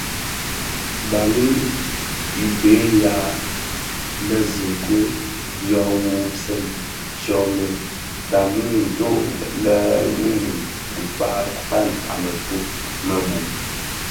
Bali i be yea bi zinkwed yo wuwubsèn tsomyè dhamum nto lè nimum dhi kpag tan a mëto më bum.